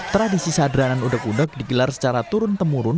tradisi sadranan udeg udeg digelar secara turun temurun